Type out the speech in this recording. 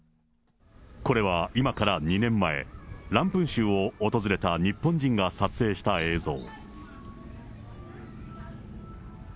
これは、今から２年前、ランプン州を訪れた日本人が撮影した映像。